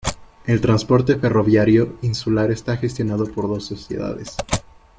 El transporte ferroviario insular está gestionado por dos sociedades.